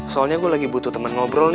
soalnya gue lagi butuh temen ngobrol nih